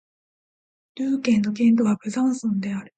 ドゥー県の県都はブザンソンである